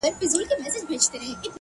چا لکه د کسو هادي سترګو کې ساتلی وم